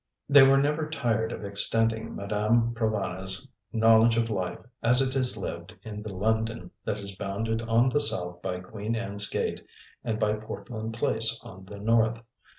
They were never tired of extending Madame Provana's knowledge of life as it is lived in the London that is bounded on the south by Queen Anne's Gate and by Portland Place on the north.